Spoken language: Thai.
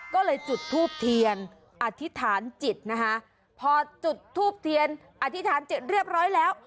ก็เลยจุดทูบเทียนอธิษฐานจิตนะคะพอจุดทูบเทียนอธิษฐานเสร็จเรียบร้อยแล้ว